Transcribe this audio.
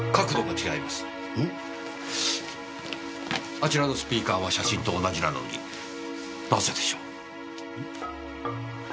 あちらのスピーカーは写真と同じなのになぜでしょう？